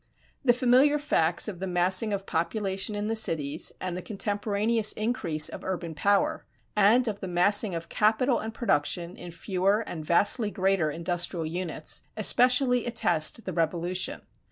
The familiar facts of the massing of population in the cities and the contemporaneous increase of urban power, and of the massing of capital and production in fewer and vastly greater industrial units, especially attest the revolution.